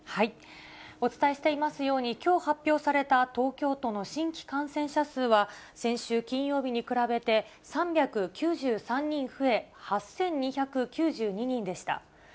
お伝えしていますように、きょう発表された東京都の新規感染者数は、先週金曜日に比べて３９３人増え、８２９２人でした。